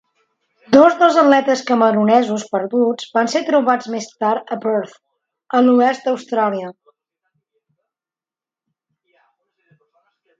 Dos dels atletes camerunesos perduts van ser trobats més tard a Perth, a l'oest Austràlia.